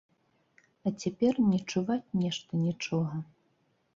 А цяпер не чуваць нешта нічога.